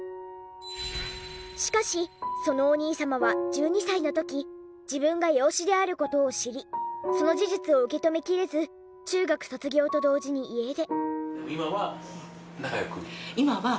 しかしそのお兄様は１２歳の時自分が養子である事を知りその事実を受け止めきれず中学卒業と同時に家出。